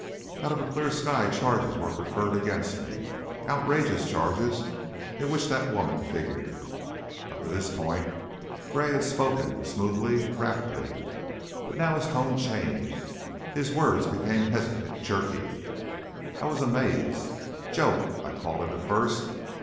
Out of a clear sky charges were preferred against me. Outrageous charges in which that woman figured." Up to this point Gray had spoken smoothly, rapidly, but now his tone changed, his words became hesitant, jerky. "I was amazed! Joke, I called it at first.